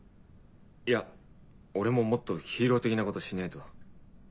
いや俺ももっとヒーロー的なことしねえと。